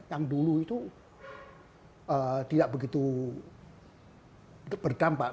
yang dulu itu tidak begitu berdampak